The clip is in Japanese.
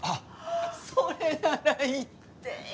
それなら言ってよ！